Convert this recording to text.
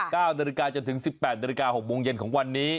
ค่ะค่ะ๙นจนถึง๑๘น๖โมงเย็นของวันนี้